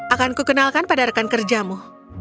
akanku kenalkan pada rekan kerjamu